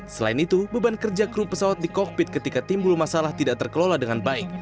selain itu beban kerja kru pesawat di kokpit ketika timbul masalah tidak terkelola dengan baik